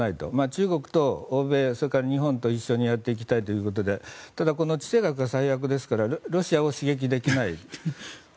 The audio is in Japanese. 中国と欧米、それから日本と一緒にやっていきたいということでただ、地政学が最悪ですからロシアを刺激できない。